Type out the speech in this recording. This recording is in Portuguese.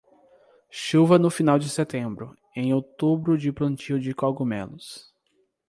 Chuva no final de setembro, em outubro de plantio de cogumelos.